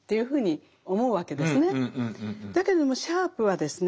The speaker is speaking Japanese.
だけどもシャープはですね